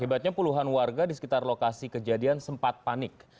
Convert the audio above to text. akibatnya puluhan warga di sekitar lokasi kejadian sempat panik